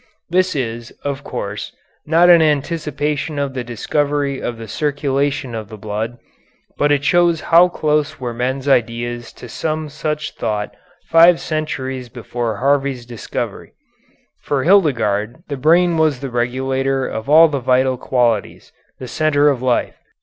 This is, of course, not an anticipation of the discovery of the circulation of the blood, but it shows how close were men's ideas to some such thought five centuries before Harvey's discovery. For Hildegarde the brain was the regulator of all the vital qualities, the centre of life.